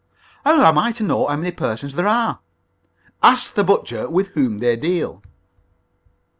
"How am I to know how many persons there are?" "Ask the butcher with whom they deal."